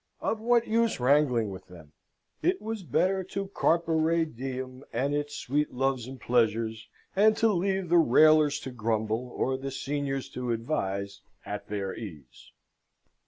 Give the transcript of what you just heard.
Of what use wrangling with them? It was better to carpere diem and its sweet loves and pleasures, and to leave the railers to grumble, or the seniors to advise, at their ease.